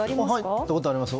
入ったことあります。